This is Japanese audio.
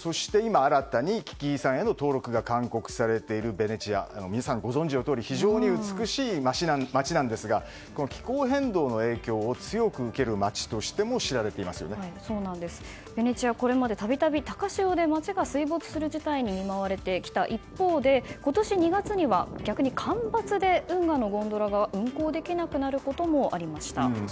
そして、今新たに危機遺産への登録が勧告されているベネチア、皆さんご存じのとおり非常に美しい街なんですが気候変動の影響を強く受ける街としてもベネチアはこれまで度々高潮で街が水没する事態に見舞われたきた一方で今年２月には、逆に干ばつで運河のゴンドラが運航できなくなることもありました。